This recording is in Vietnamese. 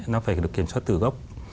nó phải được kiểm soát từ gốc